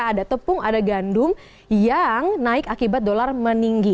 ada tepung ada gandum yang naik akibat dolar meninggi